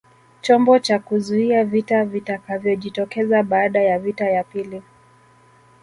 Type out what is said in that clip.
Chombo cha kuzuia vita vitakavyojitokeza baada ya vita ya pili